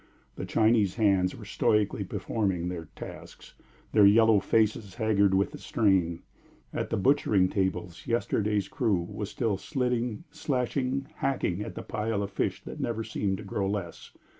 The Chinese hands were stoically performing their tasks, their yellow faces haggard with the strain; at the butchering tables yesterday's crew was still slitting, slashing, hacking at the pile of fish that never seemed to grow less.